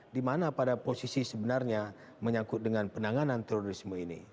di mana pada posisi sebenarnya menyangkut dengan penanganan terorisme ini